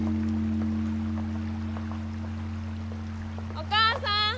お母さん！